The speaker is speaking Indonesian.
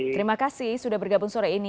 terima kasih sudah bergabung sore ini